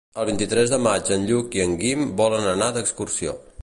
El vint-i-tres de maig en Lluc i en Guim volen anar d'excursió.